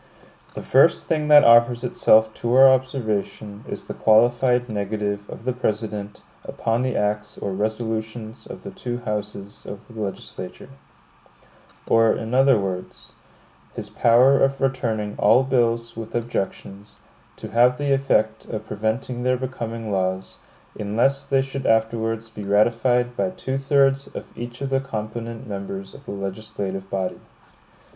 The first thing that offers itself to our observation, is the qualified negative of the President upon the acts or resolutions of the two houses of the legislature; or, in other words, his power of returning all bills with objections, to have the effect of preventing their becoming laws, unless they should afterwards be ratified by two thirds of each of the component members of the legislative body.